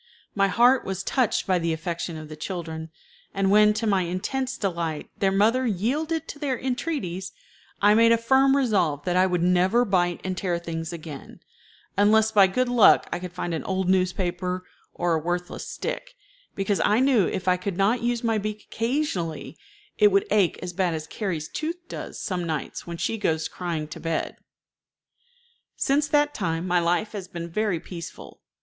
My heart was touched by the affection of the children, and when, to my intense delight, their mother yielded to their entreaties, I made a firm resolve that I would never bite and tear things again, unless by good luck I could find an old newspaper or a worthless stick, because I knew if I could not use my beak occasionally, it would ache as bad as Carrie's tooth does some nights when she goes crying to bed. Since that time my life has been very peaceful.